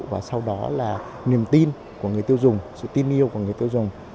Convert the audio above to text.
và sau đó là niềm tin của người tiêu dùng sự tin yêu của người tiêu dùng